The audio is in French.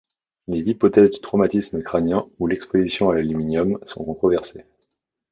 Les hypothèses du traumatisme crânien ou l'exposition à l'aluminium sont controversées.